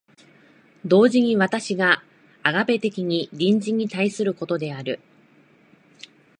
同時に私がアガペ的に隣人に対することである。